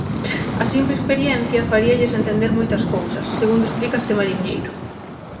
A simple experiencia faríalles entender moitas cousas, segundo explica este mariñeiro.